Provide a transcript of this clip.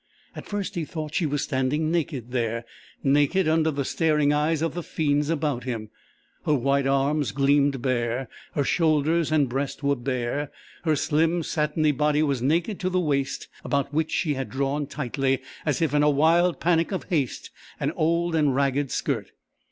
At first he thought she was standing naked there naked under the staring eyes of the fiends about him. Her white arms gleamed bare, her shoulders and breast were bare, her slim, satiny body was naked to the waist, about which she had drawn tightly as if in a wild panic of haste an old and ragged skirt!